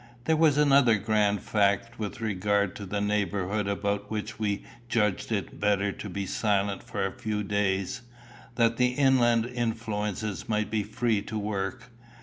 There was another grand fact with regard to the neighbourhood about which we judged it better to be silent for a few days, that the inland influences might be free to work.